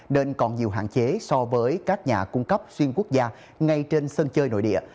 nên còn nhiều hạn chế so với các nhà cung cấp xuyên quốc gia ngay trên sân chơi nội địa